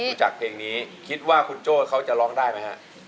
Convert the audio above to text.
จากเพลงนี้คิดว่าคุณโจ้เขาจะร้องได้ไหมฮะ